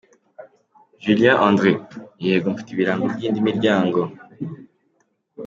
Julien André: Yego, mfite ibirango by’indi miryango.